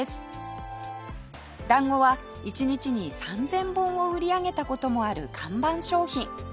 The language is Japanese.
だんごは１日に３０００本を売り上げた事もある看板商品